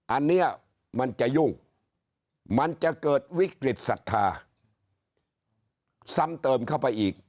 อันนี้มันจะยุ่งมันจะเกิดวิกฤตศรัทธาซ้ำเติมเข้าไปอีก